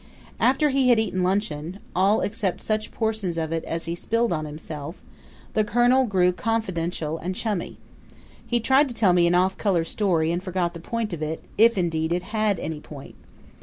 After he had eaten luncheon all except such portions of it as he spilled on himself the colonel grew confidential and chummy. He tried to tell me an off color story and forgot the point of it, if indeed it had any point.